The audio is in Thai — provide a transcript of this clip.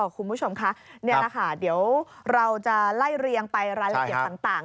คุณผู้ชมคะนี่แหละค่ะเดี๋ยวเราจะไล่เรียงไปรายละเอียดต่าง